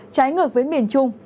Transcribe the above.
trái ngược với miền trung